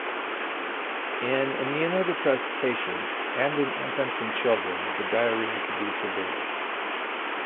In immunodepressed patients, and in infants and children, the diarrhea can be severe.